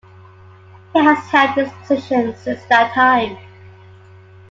He has held this position since that time.